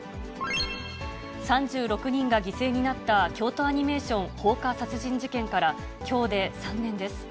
３６人が犠牲になった京都アニメーション放火殺人事件から、きょうで３年です。